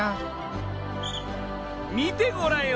見てごらんよ！